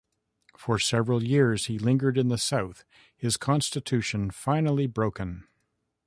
For several years he lingered in the south, his constitution finally broken.